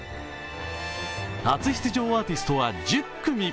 初出場アーティストは１０組。